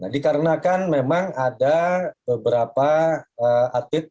dikarenakan memang ada beberapa atlet